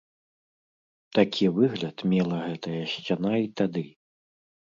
Такі выгляд мела гэтая сцяна і тады.